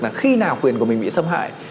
là khi nào quyền của mình bị xâm hại